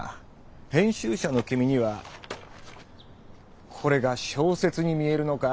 編集者の君にはこれが小説に見えるのか？